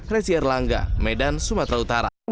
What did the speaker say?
resi erlangga medan sumatera utara